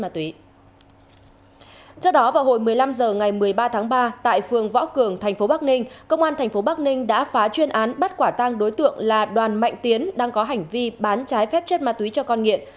ba tháng ba tại phường võ cường tp bắc ninh công an tp bắc ninh đã phá chuyên án bắt quả tăng đối tượng là đoàn mạnh tiến đang có hành vi bán trái phép chất ma túy cho con nghiện